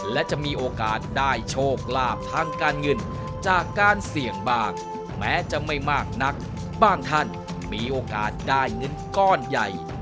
และจะมีโอกาสได้โชคลาภทางการเงินจากการเสี่ยงบ้างแม้จะไม่มากนักบางท่านมีโอกาสได้เงินก้อนใหญ่